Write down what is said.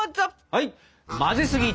はい！